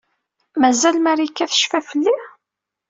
Mazal Marika tecfa fell-i?